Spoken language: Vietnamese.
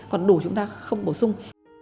còn đủ chúng ta không bổ sung